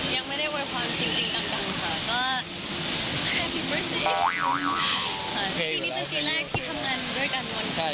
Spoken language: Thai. ยังไม่ได้เวอร์พรจริงจ้าค่ะ